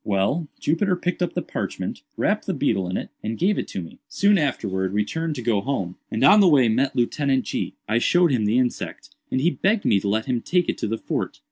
"Well, Jupiter picked up the parchment, wrapped the beetle in it, and gave it to me. Soon afterwards we turned to go home, and on the way met Lieutenant G——. I showed him the insect, and he begged me to let him take it to the fort.